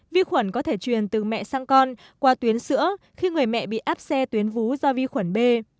vi khuẩn có thể truyền từ mẹ sang con qua tuyến sữa khi người mẹ bị áp xe tuyến vú do vi khuẩn b